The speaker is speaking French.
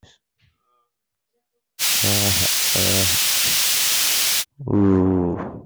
Les portes de Reims restent closes.